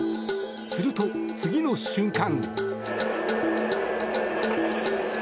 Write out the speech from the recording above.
すると、次の瞬間。